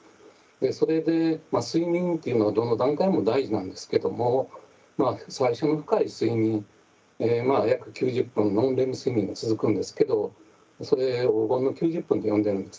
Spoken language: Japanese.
それで睡眠というのはどの段階も大事なんですけども最初の深い睡眠約９０分のノンレム睡眠が続くんですけどそれ黄金の９０分と呼んでいるんですね。